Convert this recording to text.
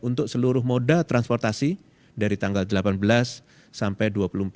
untuk seluruh moda transportasi dari delapan belas dua puluh empat mei dua ribu dua puluh satu